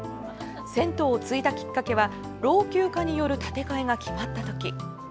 銭湯を継いだきっかけは老朽化による建て替えが決まったとき。